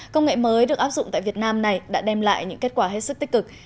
công nghệ mới được áp dụng tại việt nam này đã đem lại những kết quả hết sức tích cực